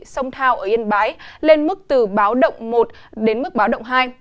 sông thao ở yên bái lên mức từ báo động một đến mức báo động hai